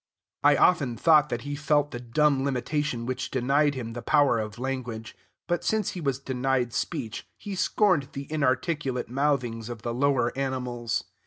I often thought that he felt the dumb limitation which denied him the power of language. But since he was denied speech, he scorned the inarticulate mouthings of the lower animals.